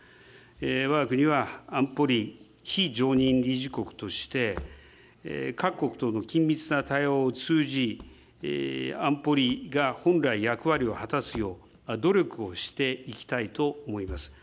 わが国は安保理非常任理事国として、各国との緊密な対話を通じ、安保理が本来役割を果たすよう努力をしていきたいと思います。